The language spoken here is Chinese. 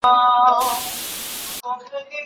他担任环保组织的主席。